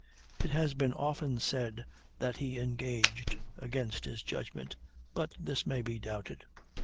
It has been often said that he engaged against his judgment, but this may be doubted.